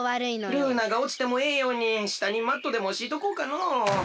ルーナがおちてもええようにしたにマットでもしいとこうかのう。